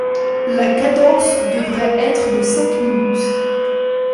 La cadence devrait être de cinq minutes.